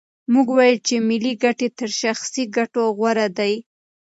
موږ وویل چې ملي ګټې تر شخصي ګټو غوره دي.